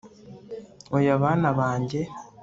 oya, bana banjye